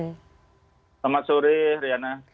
selamat sore riana